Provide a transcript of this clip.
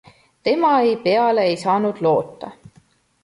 Tema ei peale ei saanud loota.